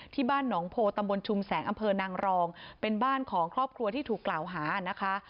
ที่บ้านหนองโพตำบลชุมแสงอำเภอนางรองเป็นบ้านของครอบครัวที่ถูกกล่าวหานะคะ